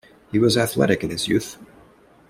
He was athletic in his youth.